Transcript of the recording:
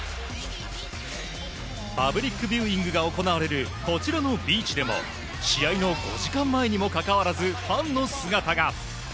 パブリックビューイングが行われるこちらのビーチでも、試合の５時間前にもかかわらず、ファンの姿が。